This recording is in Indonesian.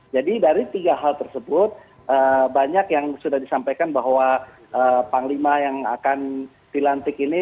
jadi dari tiga hal tersebut banyak yang sudah disampaikan bahwa panglima yang akan dilantik ini